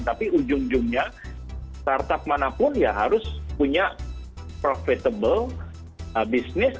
tapi ujung ujungnya start up manapun ya harus punya profitable bisnis